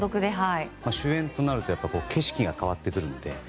主演となると景色が変わってくるので。